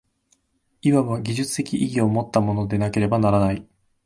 いわば技術的意義をもったものでなければならない。